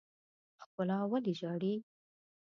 ښکلا ولې ژاړي.